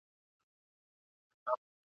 چي پردۍ فتوا وي هېره محتسب وي تښتېدلی ..